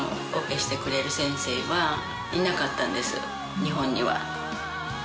日本には。